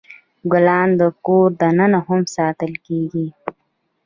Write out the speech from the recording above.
ګلان د کور دننه هم ساتل کیږي.